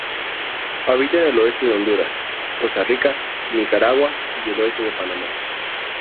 Habita en el oeste de Honduras, Costa Rica, Nicaragua y el oeste de Panamá.